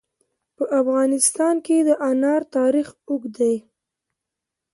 په افغانستان کې د انار تاریخ اوږد دی.